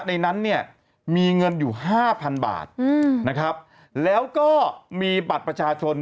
ในนั้นเนี่ยมีเงินอยู่ห้าพันบาทนะครับแล้วก็มีบัตรประชาชน